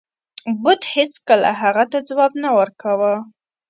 بت هیڅکله هغه ته ځواب نه ورکاو.